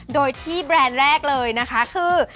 โดยที่แบรนด์แรกเลยนะคะคือ